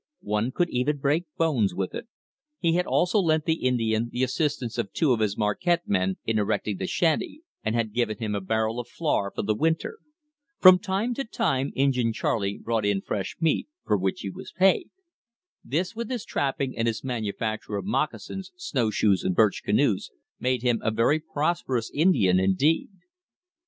One could even break bones with it. He had also lent the Indian the assistance of two of his Marquette men in erecting the shanty; and had given him a barrel of flour for the winter. From time to time Injin Charley brought in fresh meat, for which he was paid. This with his trapping, and his manufacture of moccasins, snowshoes and birch canoes, made him a very prosperous Indian indeed.